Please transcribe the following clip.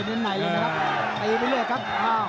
ตีไปเรื่อยครับ